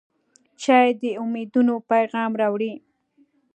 چای د امیدونو پیغام راوړي.